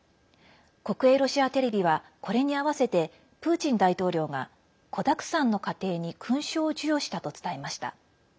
国営ロシアテレビはこれに合わせてプーチン大統領が子だくさんの家庭に勲章を授与したと伝えました。